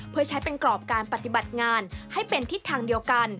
เพื่อใช้เป็นกรอบการปฏิบัติงานให้เป็นทิศทางเดียวกัน